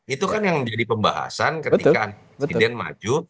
itu kan yang menjadi pembahasan ketika presiden maju